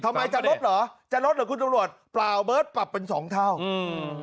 ทำไมจะลดเหรอจะลดเหรอคุณตำรวจเปล่าเบิร์ตปรับเป็นสองเท่าอืม